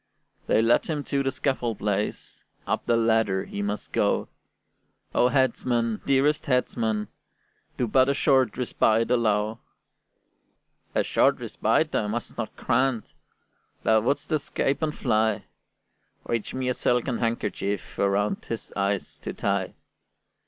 They led him to the scaffold place, Up the ladder he must go: "O headsman, dearest headsman, do But a short respite allow!" "A short respite I must not grant; Thou wouldst escape and fly: Reach me a silken handkerchief Around his eyes to tie."